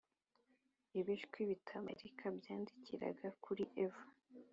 ibishwi bitabarika byandikiraga kuri eva.